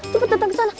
cepet dateng kesana